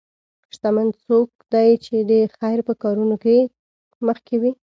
شتمن څوک دی چې د خیر په کارونو کې مخکې وي.